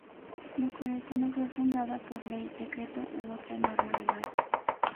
Mocoretá no fue fundada por Ley, decreto u otra norma legal.